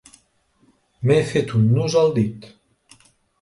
M'he fet un nus al dit.